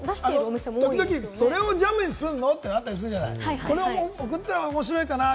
時々それをジャムにするの？ってあるじゃない？